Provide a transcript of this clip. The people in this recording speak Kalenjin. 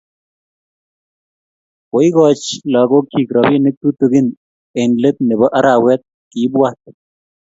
koikoch lagokchi robinik tutugin eng let nebo arawet, kiibwat